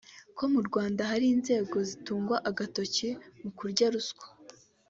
ko mu Rwanda hari inzego zitungwa agatoki mu kurya ruswa